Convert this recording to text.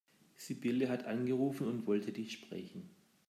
Sibylle hat angerufen und wollte dich sprechen.